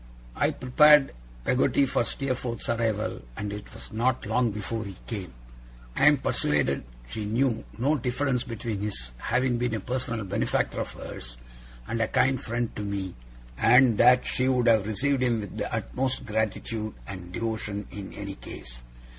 I prepared Peggotty for Steerforth's arrival and it was not long before he came. I am persuaded she knew no difference between his having been a personal benefactor of hers, and a kind friend to me, and that she would have received him with the utmost gratitude and devotion in any case.